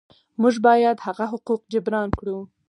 موږ باید هغه حقوق جبران کړو.